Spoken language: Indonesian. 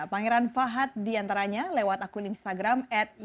pangeran fahad diantaranya lewat akun instagram at